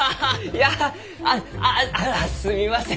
いやあああすみません。